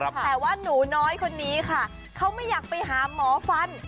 แต่ว่าหนูน้อยคนนี้ค่ะเขาไม่อยากไปหาหมอฟัน